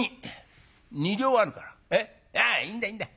ああいいんだいいんだ。